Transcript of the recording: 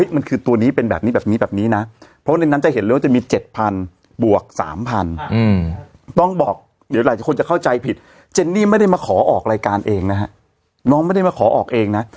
มันคือตัวนี้เป็นแบบนี้แบบนี้แบบนี้นะเพราะในนั้นจะเห็นเลยว่าจะมี๗๐๐บวก๓๐๐ต้องบอกเดี๋ยวหลายคนจะเข้าใจผิดเจนนี่ไม่ได้มาขอออกรายการเองนะฮะน้องไม่ได้มาขอออกเองนะ